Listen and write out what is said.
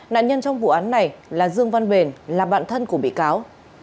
nạn nhân trong vụ án này là dương văn bền là bạn thân của bị cáo